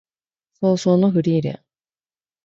葬送のフリーレン